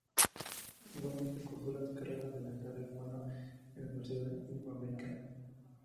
Igualmente, cursó la carrera de desarrollo humano en la Universidad Iberoamericana.